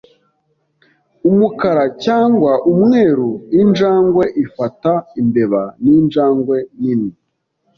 Umukara cyangwa umweru, injangwe ifata imbeba ninjangwe nini.